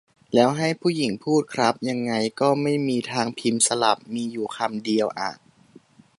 แล้วให้ผู้หญิงพูด ครับ ยังไงก็ไม่มีทางพิมพ์สลับ มีอยู่คำเดียวอะ